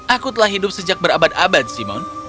aku telah hidup sejak berabad abad simon